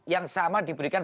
yang sama diberikan